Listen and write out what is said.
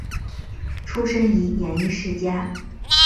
出身于演艺世家。